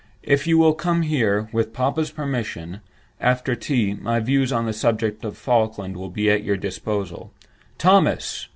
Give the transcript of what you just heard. If you will come here—with papa's permission—after tea, my views on the subject of Falkland will be at your disposal. Thomas!